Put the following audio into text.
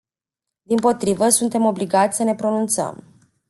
Dimpotrivă, suntem obligați să ne pronunțăm.